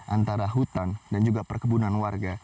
antara hutan dan juga perkebunan warga